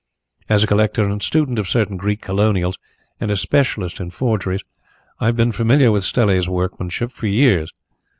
As a collector and student of certain Greek colonials and a specialist in forgeries I have been familiar with Stelli's workmanship for years.